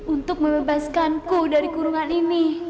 untuk membebaskanku dari kurungan ini